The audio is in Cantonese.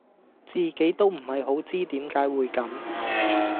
自己都唔係好知點解會咁